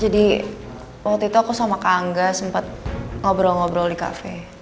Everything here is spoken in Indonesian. jadi waktu itu aku sama kak angga sempat ngobrol ngobrol di kafe